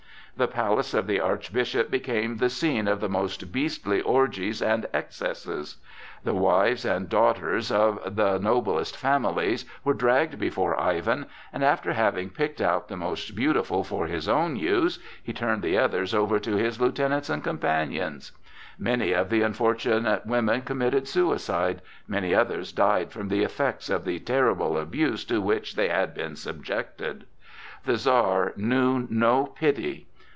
The palace of the Archbishop became the scene of the most beastly orgies and excesses. The wives and daughters of the noblest families were dragged before Ivan, and after having picked out the most beautiful for his own use, he turned the others over to his lieutenants and companions. Many of the unfortunate women committed suicide, many others died from the effects of the terrible abuse to which they had been subjected. The Czar knew no pity.